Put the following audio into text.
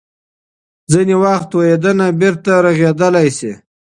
ځینې وخت تویېدنه بیرته رغېدلی شي.